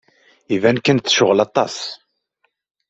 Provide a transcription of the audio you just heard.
Iban kan tecɣel aṭas.